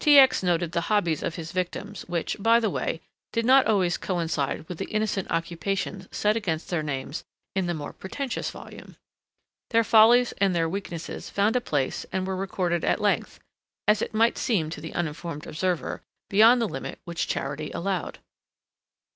X. noted the hobbies of his victims which, by the way, did not always coincide with the innocent occupations set against their names in the more pretentious volume. Their follies and their weaknesses found a place and were recorded at a length (as it might seem to the uninformed observer) beyond the limit which charity allowed.